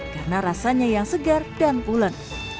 karena rasanya yang segar dan pulen